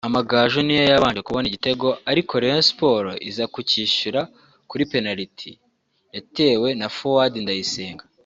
Amagaju ni yo yabanje kubona igitego ariko Rayon Sport iza kucyishyura kuri penaliti yatewe na Fuadi Ndayisenga